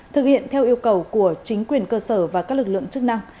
thực hiện theo yêu cầu của chính quyền cơ sở và các lực lượng chức năng